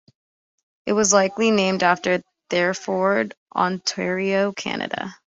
It was likely named after Thedford, Ontario, Canada.